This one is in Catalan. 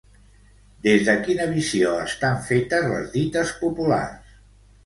Des de quina visió estan fetes les dites populars?